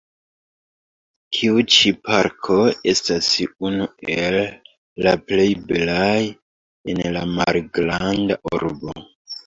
Tiu ĉi parko estas unu el la plej belaj en la Malgranda urbo.